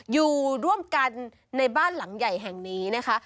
อยู่ร่วมกันในบ้านหลังใหญ่แห่งนี้นะคะ